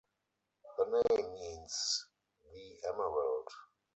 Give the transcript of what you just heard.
The name means "the emerald".